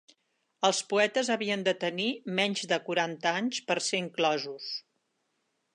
Els poetes havien de tenir menys de quaranta anys per ser inclosos.